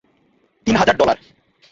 তিন হাজার ডলার।